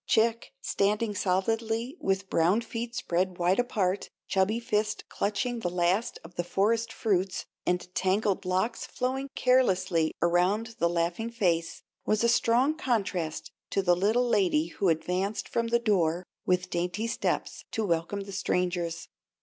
Chick, standing solidly with brown feet spread wide apart, chubby fists clutching the last of the forest fruits, and tangled locks flowing carelessly around the laughing face, was a strong contrast to the little lady who advanced from the door with dainty steps to welcome the strangers.